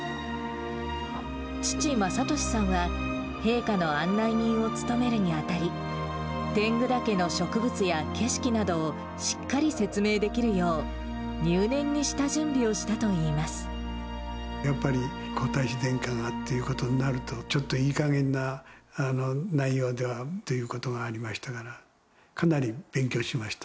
父、正利さんは、陛下の案内人を務めるにあたり、天狗岳の植物や景色などをしっかり説明できるよう、やっぱり皇太子殿下がということになると、ちょっといいかげんな内容ではということがありましたから、かなり勉強しました。